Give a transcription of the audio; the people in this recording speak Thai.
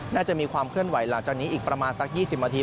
น่าจะมีความเคลื่อนไหวหลังจากนี้อีกประมาณสัก๒๐นาที